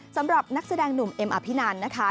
สำหรับนักแสดงหนุ่มเอ็มอภินันนะคะ